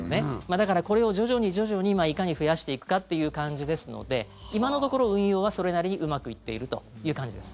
だからこれを徐々に徐々にいかに増やしていくかっていう感じですので今のところ、運用はそれなりにうまくいっているという感じです。